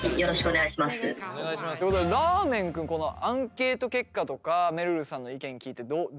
ということでらーめん君このアンケート結果とかめるるさんの意見聞いてどうですか？